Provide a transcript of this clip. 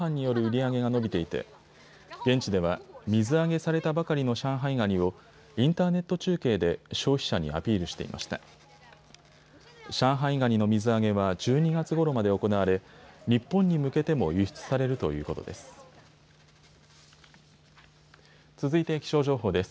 上海ガニの水揚げは１２月ごろまで行われ日本に向けても輸出されるということです。